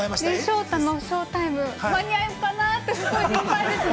◆「ショウタのショータイム」、間に合うかなと、すごい心配ですね。